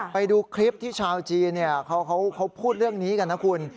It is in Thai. ไปดูคลิปที่ชาวจีนเขาพูดเรื่องนี้กันนะคุณ